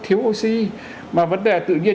thiếu oxy mà vấn đề là tự nhiên